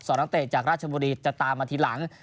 นักเตะจากราชบุรีจะตามมาทีหลัง